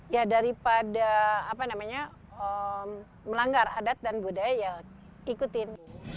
ya daripada melanggar adat dan budaya ya ikutin